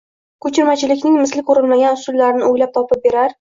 Ko‘chirmachilikning misli ko‘rilmagan usullarini o‘ylab topib berar